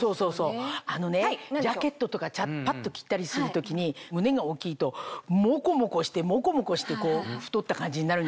あのねジャケットとかパッと着たりする時に胸が大きいとモコモコしてモコモコして太った感じになるんですよ。